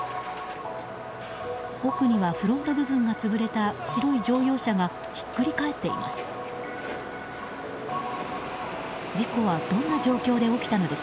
奥にはフロント部分が潰れた白い乗用車がひっくり返っています。